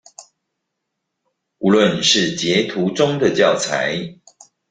無論是截圖中的教材